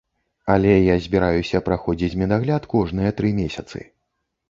Але я збіраюся праходзіць медагляд кожныя тры месяцы.